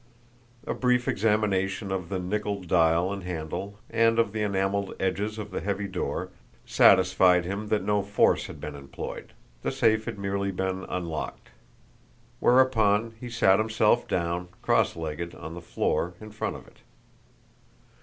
A brief examination of the nickeled dial and handle and of the enameled edges of the heavy door satisfied him that no force had been employed the safe had merely been unlocked. Whereupon he sat himself down, cross legged on the floor, in front of it.